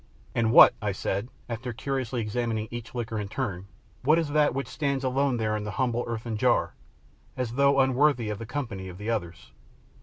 "And what," I said, after curiously examining each liquor in turn, "what is that which stands alone there in the humble earthen jar, as though unworthy of the company of the others."